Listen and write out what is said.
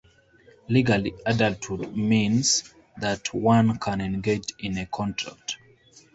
Legally, "adulthood" means that one can engage in a contract.